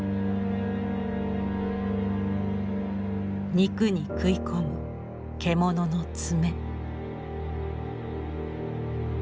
肉に食い込む獣の爪。